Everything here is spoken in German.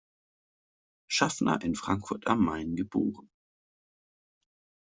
Schaffner in Frankfurt am Main geboren.